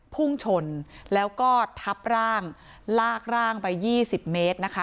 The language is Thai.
พุ่งชนแล้วก็ทับร่างลากร่างไป๒๐เมตรนะคะ